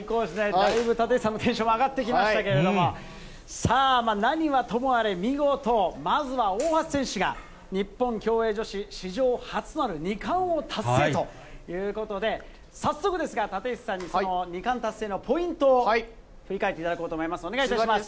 だいぶ、立石さんのテンションも上がってきましたけれども、さあ、何はともあれ、見事、まずは大橋選手が、日本競泳女子史上初となる２冠を達成ということで、早速ですが、立石さんにその２冠達成のポイントを振り返っていただこうと思います。